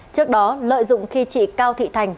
trước đó lợi dụng khi trị cao thị thành